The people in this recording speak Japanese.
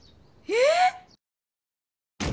えっ！